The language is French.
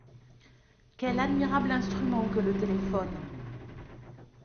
Quel admirable instrument que le téléphone !…